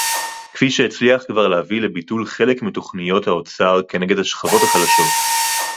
כפי שהצליח כבר להביא לביטול חלק מתוכניות האוצר כנגד השכבות החלשות